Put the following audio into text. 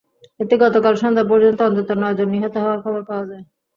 এতে গতকাল সন্ধ্যা পর্যন্ত অন্তত নয়জন নিহত হওয়ার খবর পাওয়া যায়।